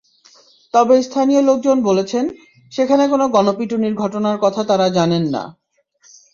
তবে স্থানীয় লোকজন বলেছেন, সেখানে কোনো গণপিটুনির ঘটনার কথা তাঁরা জানেন না।